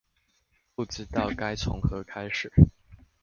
不知道該從何開始